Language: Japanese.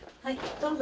どうぞ。